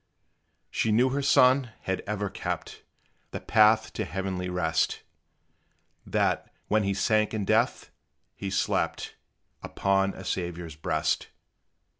She knew her son had ever kept The path to heavenly rest That, when he sank in death, he slept Upon a Saviour's breast.